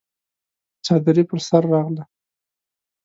چادري پر سر راغله!